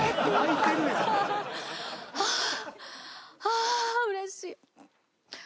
あうれしい。